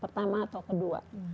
pertama atau kedua